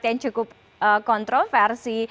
yang cukup kontroversi